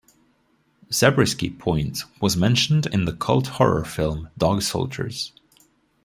Zabriskie Point was mentioned in the cult horror film "Dog Soldiers".